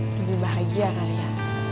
lebih bahagia kali ya